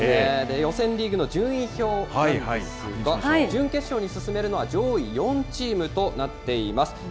予選リーグの順位表なんですが、準決勝に進めるのは上位４チームとなっています。